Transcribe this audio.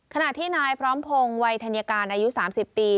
ขณะที่นายพร้อมพงศ์วัยธัญการอายุ๓๐ปี